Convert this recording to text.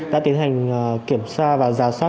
đã tiến hành kiểm soát và giả soát